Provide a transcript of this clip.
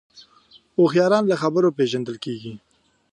هوښیاران له خبرو پېژندل کېږي